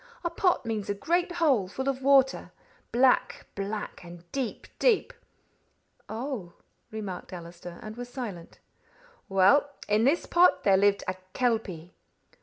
"A pot means a great hole full of water black, black, and deep, deep." "Oh!" remarked Allister, and was silent. "Well, in this pot there lived a kelpie."